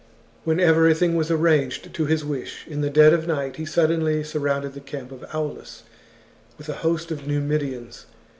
When everything was arranged to his wish, in the dead of night he sud denly surrounded the camp of Aulus with a host of Numidians.